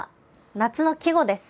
夏の季語です。